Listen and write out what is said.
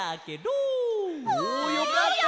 おおよかったね。